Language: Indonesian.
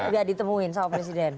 biar ditemuin sama presiden